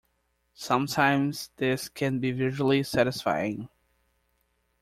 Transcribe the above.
Sometimes this can be visually satisfying.